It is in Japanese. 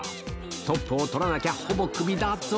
トップを取らなきゃ、ほぼクビだぞ。